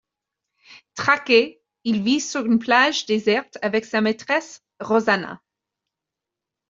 Traqué, il vit sur une plage déserte avec sa maîtresse Rosanna.